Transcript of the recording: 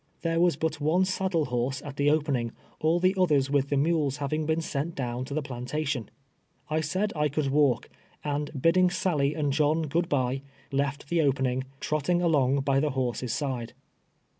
Tliere was but one saddle horse at the oi)ening, all the others with the mules having been sent down to the ])lantation, I said I could walk, and bidding Sally and John good bye, left the opening, trotting along by the horse's side.